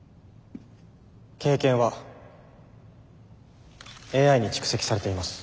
経験はＡＩに蓄積されています。